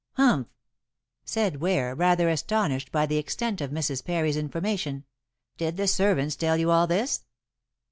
"Humph!" said Ware, rather astonished by the extent of Mrs. Parry's information, "did the servants tell you all this?"